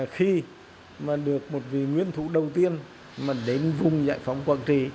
khi mà được một vị nguyên thủ đầu tiên mà đến vùng giải phóng quảng trị